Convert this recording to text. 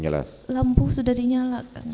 lampu sudah dinyalakan